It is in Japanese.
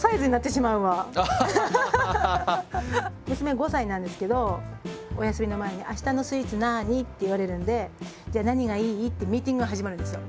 娘５歳なんですけどおやすみの前に「あしたのスイーツなに？」って言われるんで「じゃあ何がいい？」ってミーティングが始まるんですよ。